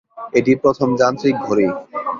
এটি প্রথম যান্ত্রিক ঘড়ি।